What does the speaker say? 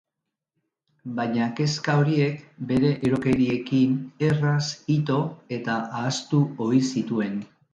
Baina kezka horiek bere erokeriekin erraz ito eta ahaztu ohi zituen.